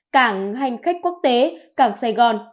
cảng hành khách quốc tế cảng sài gòn